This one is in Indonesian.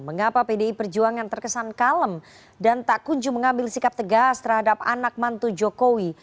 mengapa pdi perjuangan terkesan kalem dan tak kunjung mengambil sikap tegas terhadap anak mantu jokowi